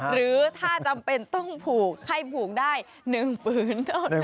หรือถ้าจำเป็นต้องผูกให้ผูกได้๑ฝืนเท่านั้น